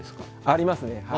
あります。